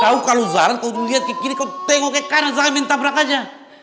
kau kalau zaran kalau dulu liat ke kiri kau tengok ke kanan jangan main tabrak aja